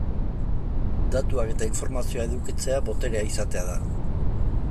Datuak eta informazioa edukitzea, boterea izatea da.